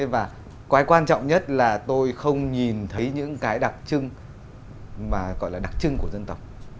và cái quan trọng nhất là tôi không nhìn thấy những cái đặc trưng mà gọi là đặc trưng của dân tộc